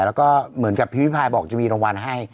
แล้วก็เหมือนกับพี่พิพายบอกจะมีรางวัลให้